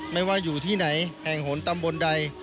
ไม่ว่าอยู่ที่ไหนแห่งหนตำบลใด